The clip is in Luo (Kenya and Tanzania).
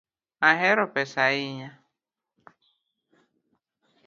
Ahero pesa ahinya